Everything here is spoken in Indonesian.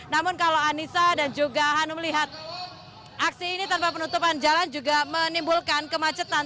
namun kalau anissa dan juga hanum melihat aksi ini tanpa penutupan jalan juga menimbulkan kemacetan